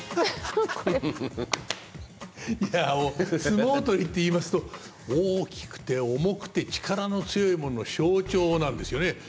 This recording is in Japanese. いや相撲取りっていいますと大きくて重くて力の強いものの象徴なんですよね。